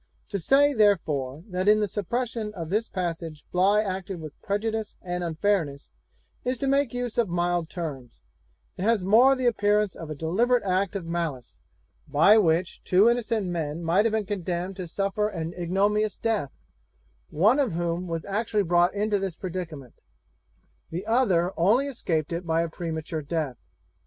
To say, therefore, that in the suppression of this passage Bligh acted with prejudice and unfairness, is to make use of mild terms; it has more the appearance of a deliberate act of malice, by which two innocent men might have been condemned to suffer an ignominious death, one of whom was actually brought into this predicament; the other only escaped it by a premature death.